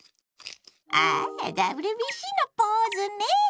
ああＷＢＣのポーズね！